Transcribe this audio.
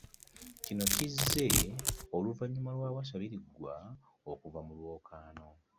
Kino kizze oluvannyuma lwa Wasswa Birigwa okuva mu lwokaano